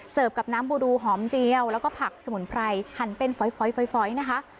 เสิร์ฟกับน้ำบูดูหอมเจียวแล้วก็ผักสมุนไพรหั่นเป็นฟ้อยฟ้อยฟ้อยฟ้อยนะคะ